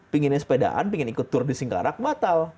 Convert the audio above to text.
pengennya sepedaan pengen ikut tur di singkarak batal